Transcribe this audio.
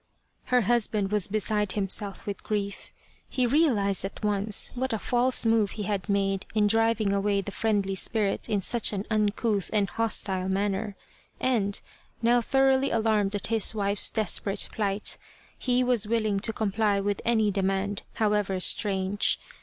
Her husband was beside himself with grief. He realized at once what a false move he had made in driving away the friendly spirit in such an uncouth and hostile manner, and, now thoroughly alarmed at his wife's desperate plight, he was willing to comply with any demand, however strange.